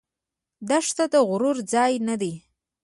دښته د غرور ځای نه دی.